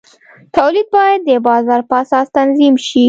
تولید باید د بازار په اساس تنظیم شي.